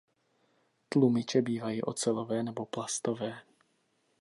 Tlumiče bývají ocelové nebo plastové.